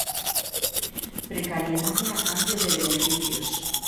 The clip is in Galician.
Precariedade a cambio de beneficios.